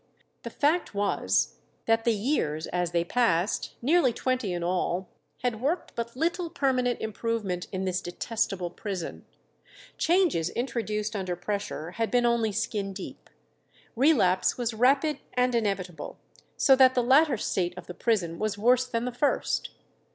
The fact was that the years as they passed, nearly twenty in all, had worked but little permanent improvement in this detestable prison. Changes introduced under pressure had been only skin deep. Relapse was rapid and inevitable, so that the latter state of the prison was worse than the first.